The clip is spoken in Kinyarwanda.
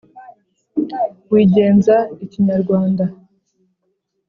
wigenza kinyarwanda